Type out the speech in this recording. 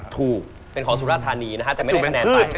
ถูกเป็นของสุราธานีนะฮะแต่ไม่ได้คะแนนไป